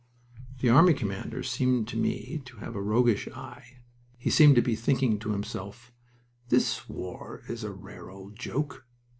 The army commander seemed to me to have a roguish eye. He seemed to be thinking to himself, "This war is a rare old joke!"